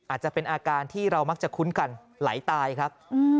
อาจจะเป็นอาการที่เรามักจะคุ้นกันไหลตายครับ